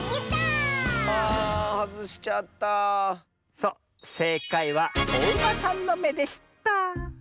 そうせいかいはおウマさんのめでした。